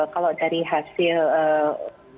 kalau dari hasil